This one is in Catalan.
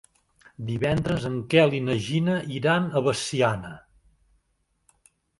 Divendres en Quel i na Gina iran a Veciana.